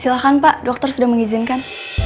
silahkan pak dokter sudah mengizinkan